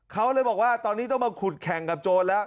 เขาเลยบอกว่าตอนนี้ต้องมาขุดแข่งกับโจรแล้ว